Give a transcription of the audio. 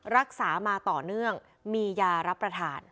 รักษามาต่อเนื่องมียารับประทาน